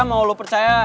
mau lo percaya